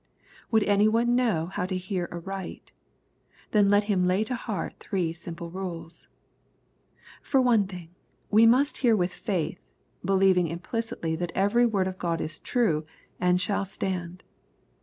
Would any one know how to hear aright ? Then let him lay to heart three simple rules. For one thing, we must hear with faith, believing implicitly that every word of God is true, and shall stand.